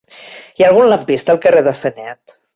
Hi ha algun lampista al carrer de Sanet?